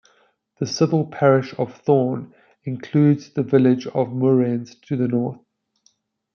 The civil parish of Thorne includes the village of Moorends to the north.